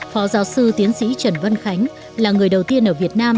phó giáo sư tiến sĩ trần vân khánh là người đầu tiên ở việt nam